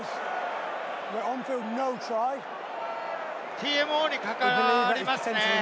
ＴＭＯにかかりますね。